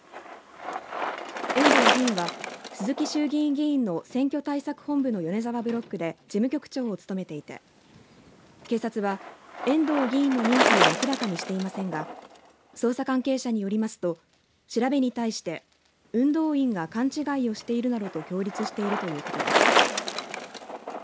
遠藤議員は鈴木衆議院議員の選挙対策本部の米沢ブロックで事務局長を務めていて警察は遠藤議員の認否を明らかにしていませんが捜査関係者によりますと調べに対して運動員が勘違いをしているなどと供述しているということです。